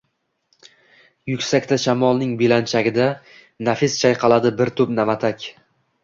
Yuksakda shamolning belanchagida, Nafis chayqaladi bir to`p na`matak